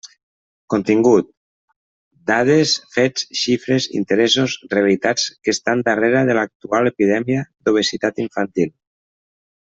Contingut: Dades, fets, xifres, interessos, realitats que estan darrere de l'actual epidèmia d'obesitat infantil.